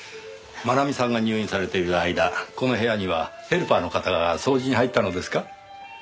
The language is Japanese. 真奈美さんが入院されている間この部屋にはヘルパーの方が掃除に入ったのですか？